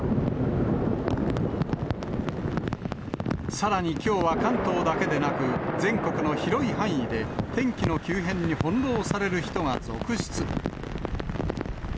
さらにきょうは関東だけでなく、全国の広い範囲で、天気の急変にほんろうされる人が続出。